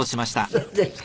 そうですね。